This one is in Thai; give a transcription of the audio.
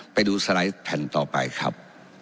ไปดูสไลด์แผ่นต่อไปครับ